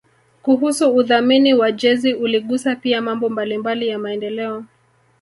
kuhusu udhamini wa jezi uligusa pia mambo mbalimbali ya maendeleo